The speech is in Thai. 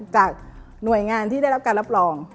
จากหน่วยงานที่ได้รับการรับรอง